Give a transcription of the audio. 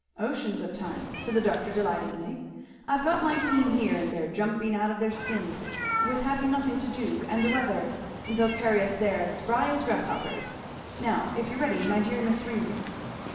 "Oceans of time?" said the doctor delightedly; "I've got my team here and they're jumping out of their skins with having nothing to do and the weather they'll carry us there as spry as grasshoppers now, if you're ready, my dear Miss Ringgan!"